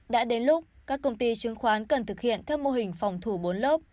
đã đến lúc các công ty chứng khoán cần thực hiện theo mô hình phòng thủ bốn lớp